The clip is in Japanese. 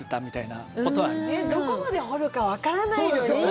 どこまで掘るか分からないよ。